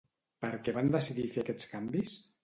Per què van decidir fer aquests canvis?